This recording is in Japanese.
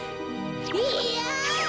いや！